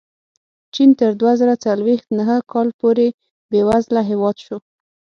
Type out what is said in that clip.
چین تر دوه زره څلوېښت نهه کاله پورې بېوزله هېواد شو.